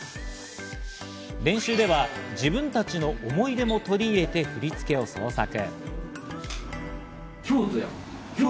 練習では自分たちの思い出も取り入れて振り付けを創作。